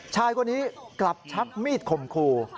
ชายคนนี้กลับชับมีดขมครู